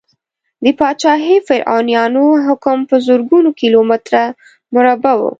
د پاچاهي فرعونیانو حکم په زرګونو کیلو متره مربع و.